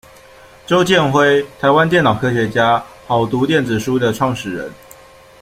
周剑辉，台湾电脑科学家，好读电子书的创始人。